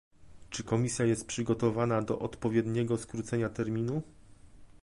Czy Komisja jest przygotowana do odpowiedniego skrócenia terminu?